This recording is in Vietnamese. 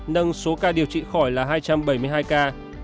nâng số ca điều trị khỏi là hai trăm bảy mươi hai ca